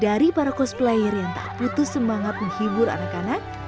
dari para cosplayer yang tak putus semangat menghibur anak anak